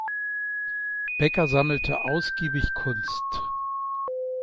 Becker sammelte ausgiebig Kunst.